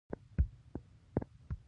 د هفت سین دسترخان مشهور دی.